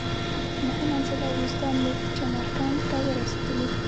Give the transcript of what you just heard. نهه منزله وروسته موږ چمرکنډ ته ورسېدلو.